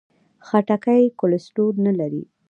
خټکی کولیسټرول نه لري.